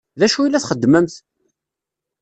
D acu i la txeddmemt?